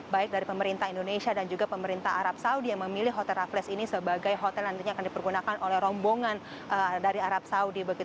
baik dari pemerintah indonesia dan juga pemerintah arab saudi yang memilih hotel raffles ini sebagai hotel nantinya akan dipergunakan oleh rombongan dari arab saudi